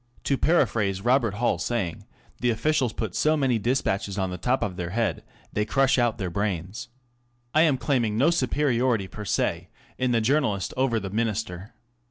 To paraphrase Robert Hall's saying, the officials put so many despatches on the top of their head, they crush out their brains. I am claiming no superiority per se in the journalist over the Minister.